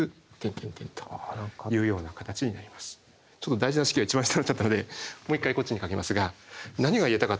ちょっと大事な式が一番下になっちゃったのでもう一回こっちに書きますが何が言えたかというとですね。